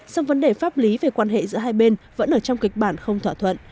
song vấn đề pháp lý về quan hệ giữa hai bên vẫn ở trong kịch bản không thỏa thuận